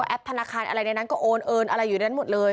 ธนาคารอะไรในนั้นก็โอนเอิญอะไรอยู่ในนั้นหมดเลย